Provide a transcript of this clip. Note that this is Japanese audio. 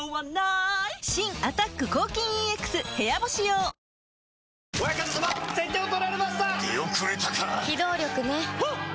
新「アタック抗菌ＥＸ部屋干し用」では、お天気です。